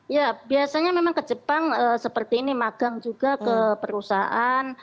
ya biasanya memang ke jepang seperti ini magang juga ke perusahaan